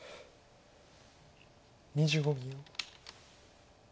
２５秒。